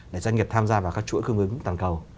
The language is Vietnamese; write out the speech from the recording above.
để doanh nghiệp tham gia vào các chuỗi cung ứng toàn cầu